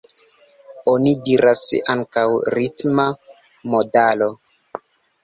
Oni diras ankaŭ ritma modalo.